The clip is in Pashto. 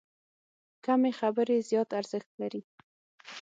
کمې خبرې، زیات ارزښت لري.